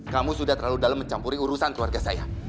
kamu sudah terlalu dalam mencampuri urusan keluarga saya